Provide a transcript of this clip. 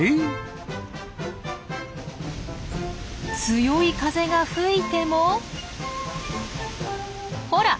強い風が吹いてもほら！